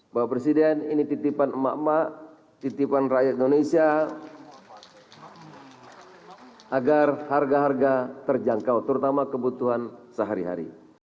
bapak presiden ini titipan emak emak titipan rakyat indonesia agar harga harga terjangkau terutama kebutuhan sehari hari